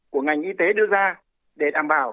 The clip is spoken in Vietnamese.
của ngành y tế đưa ra để đảm bảo